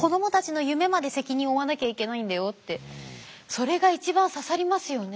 それが一番刺さりますよね。